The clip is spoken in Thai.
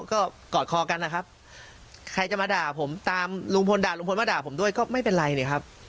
ก็กอดคอกันนะครับใครจะมาด่าผมตามลุงพลด่าลุงพลว่าด่าผมด้วยก็ไม่เป็นไรนี่ครับ